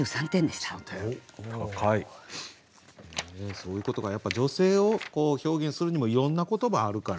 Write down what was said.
そういうことかやっぱ女性を表現するにもいろんな言葉あるから。